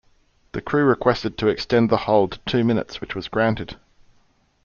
The crew requested to extend the hold to two minutes which was granted.